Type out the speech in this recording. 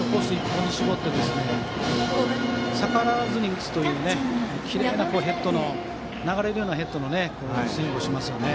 １本に絞って逆らわずに打つというきれいな、流れるようなヘッドのスイングをしますよね。